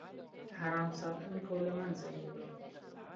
حرم ساتونکو له منځه یووړ.